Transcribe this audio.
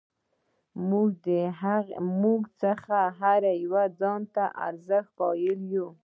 زموږ څخه هر یو ځان ته ارزښت قایل یو.